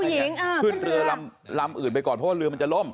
ผู้หญิงอ่าขึ้นเรือลำลำอื่นไปก่อนเพราะว่าเรือมันจะล้ม